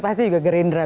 pasti juga gerindra